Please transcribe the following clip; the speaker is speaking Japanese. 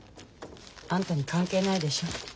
あんたに関係ないでしょ。